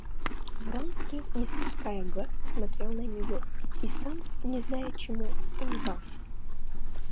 Вронский, не спуская глаз, смотрел на нее и, сам не зная чему, улыбался.